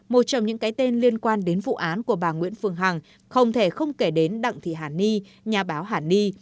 một trong những cái tên liên quan đến vụ án của bà nguyễn phương hằng không thể không kể đến đặng thị hà ni nhà báo hà ni